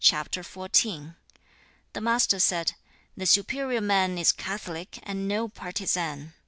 The Master said, 'The superior man is catholic and no partisan.